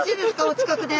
お近くで。